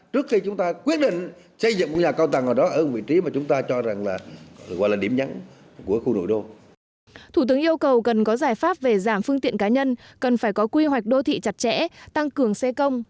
thủ tướng yêu cầu hà nội cần phải có quy hoạch đô thị chặt chẽ tăng cường xe công